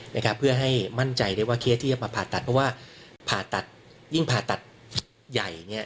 นะครับเพื่อให้มั่นใจได้ว่าเคสที่จะมาผ่าตัดเพราะว่าผ่าตัดยิ่งผ่าตัดใหญ่เนี่ย